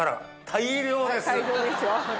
大量ですよ。